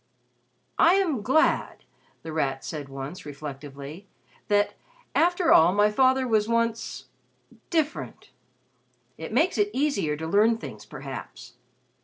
"I am glad," The Rat said once, reflectively, "that, after all my father was once different. It makes it easier to learn things perhaps.